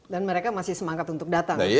dan mereka masih semangat untuk datang